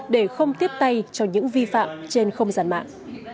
để không tiếp tay cho những vi phạm trên không gian mạng